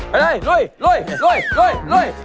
ไปเลยลุย